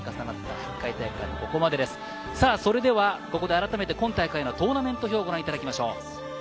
それではここで改めて今大会のトーナメント表をご覧いただきましょう。